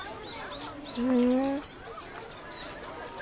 ふん。